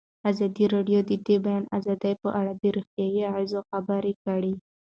ازادي راډیو د د بیان آزادي په اړه د روغتیایي اغېزو خبره کړې.